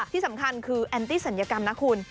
ที่สำคัญคือแอนตี้ศัลยกรรมนะคุณ